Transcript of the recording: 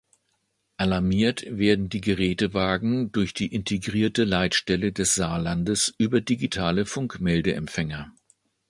Alarmiert werden die Gerätewagen durch die Integrierte Leitstelle des Saarlandes über digitale Funkmeldeempfänger.